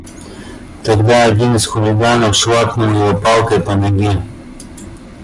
Тогда один из хулиганов шваркнул её палкой по ноге.